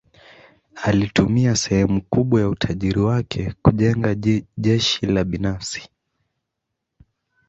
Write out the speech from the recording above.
Alitumia sehemu kubwa ya utajiri wake kujenga jeshi la binafsi.